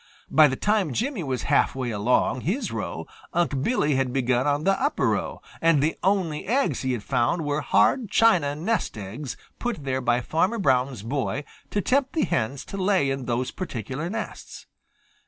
By the time Jimmy was half way along his row Unc' Billy bad begun on the upper row, and the only eggs he had found were hard china nest eggs put there by Farmer Brown's boy to tempt the hens to lay in those particular nests.